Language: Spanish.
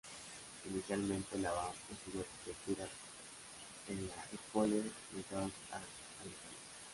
Inicialmente Laban estudió arquitectura en la École des Beaux-Arts en París.